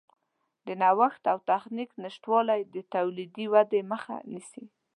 د نوښت او تخنیک نشتوالی د تولیدي ودې مخه نیسي.